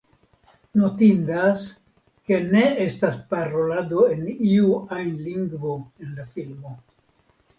Notindas ke ne estas parolado en iu ajn lingvo en la filmo.